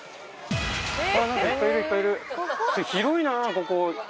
広いなここ。